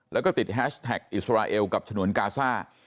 แล้วก็ติดแฮชแท็กอิสราเอลกับฉนวนกาซ่า